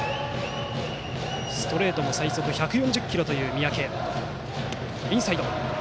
ストレートも最速１４０キロという三宅。